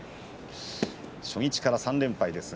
初日から３連敗です。